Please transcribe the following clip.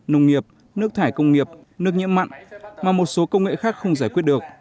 nông nghiệp nước thải công nghiệp nước nhiễm mặn mà một số công nghệ khác không giải quyết được